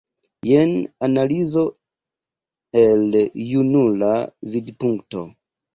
Jen analizo el junula vidpunkto.